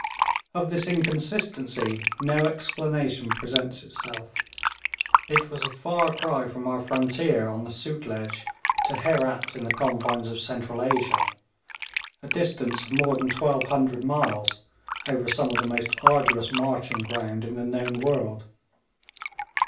Of this inconsistency no explanation presents itself. It was a far cry from our frontier on the Sutlej to Herat in the confines of Central Asia a distance of more than 1200 miles, over some of the most arduous marching ground in the known world.